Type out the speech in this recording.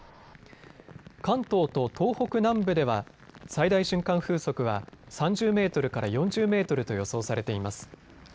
関東と東北南部では最大瞬間風速は３０メートルから４０メートルと予想されています。